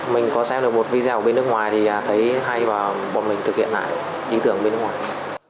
mình có xem được một video ở bên nước ngoài thì thấy hay và bọn mình thực hiện lại ý tưởng bên nước ngoài